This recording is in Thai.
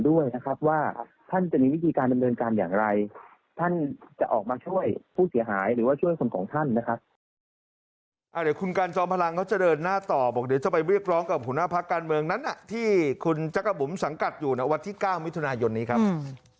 ว่าช่วยคนของท่านนะครับคุณการจอมพลังเขาจะเดินหน้าต่อบอกเดี๋ยวจะไปเรียกร้องกับหุนภาคการเมืองนั้นที่คุณจักรบุ๋มสังกัดอยู่ในวันที่๙มิถุนายนนี้ครับ